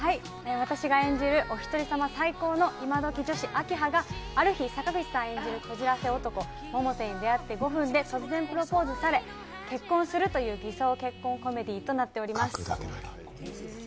私が演じるおひとり様最高女子、明葉がイマドキ女子・明葉がある日、坂口さん演じるこじらせ男・百瀬に出会って５分で突然プロポーズされ結婚するという偽装結婚コメディーとなっております。